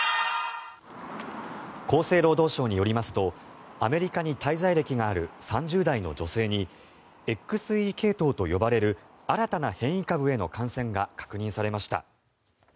厚生労働省によりますとアメリカに滞在歴がある３０代の女性にＸＥ系統と呼ばれる新たな変異株の感染が確認されました。